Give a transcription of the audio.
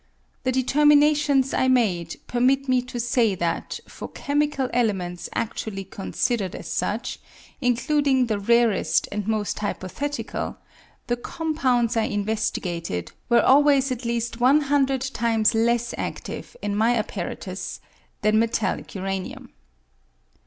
The determinations I made permit me to say that, for chemical elements adually considered as such, including the rarest and most hypothetical, the compounds I investigated were always at least 100 times less adive in my apparatus than metallic uranium.